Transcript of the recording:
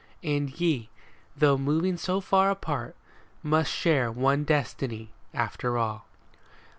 And ye, though moving so far apart, Mifst share one destiny after all.